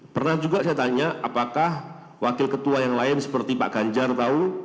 pernah juga saya tanya apakah wakil ketua yang lain seperti pak ganjar tahu